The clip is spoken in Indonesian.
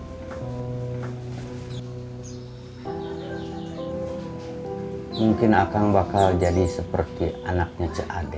sudah mungkin akan akan jadi seperti anaknya cak ade